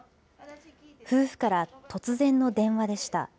夫婦から突然の電話でした。